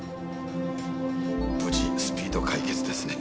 無事スピード解決ですね。